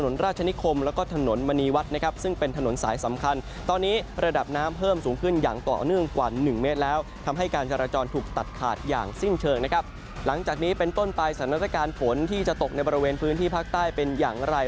ในบริเวณพื้นที่ภาคใต้เป็นอย่างไร